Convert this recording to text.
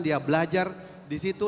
dia belajar disitu